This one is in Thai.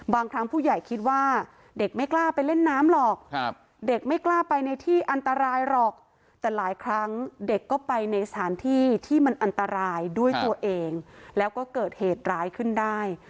บางครั้งผู้ใหญ่คิดว่าเด็กไม่กล้าไปเล่นน้ำหรอกเด็กไม่กล้าไปในที่อันตรายหรอกแต่หลายครั้งเด็กก็ไปในสถานที่ที่มันอันตรายด้วยตัวเองแล้วก็เกิดเหตุร้ายขึ้นได้